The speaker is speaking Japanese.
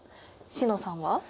詩乃さんは？